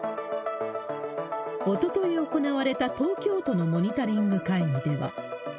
おととい行われた東京都のモニタリング会議では。